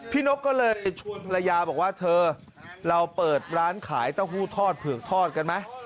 นกก็เลยชวนภรรยาบอกว่าเธอเราเปิดร้านขายเต้าหู้ทอดเผือกทอดกันไหม